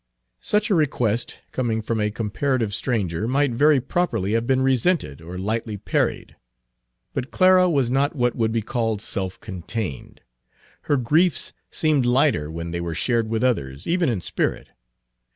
Such a request, coming from a comparative stranger, might very properly have been resented or lightly parried. But Clara was not what would be called self contained. Her griefs seemed lighter when they were shared with others, even in spirit.